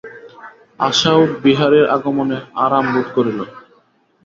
আশাও বিহারীর আগমনে আরাম বোধ করিল।